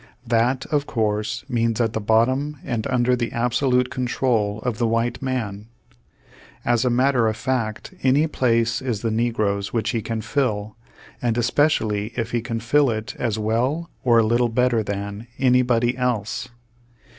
That, of course, means at the bottom and under the absolute control of the v/hite m.an. As a matter of fact, any place is the negro's which he can fill, and especially if he can fill it as well or a little better than anybody else.